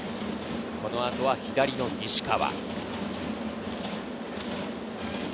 この後は左の西川。